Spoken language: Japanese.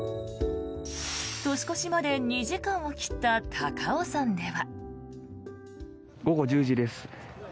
年越しまで２時間を切った高尾山では。